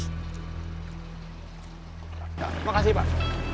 terima kasih pak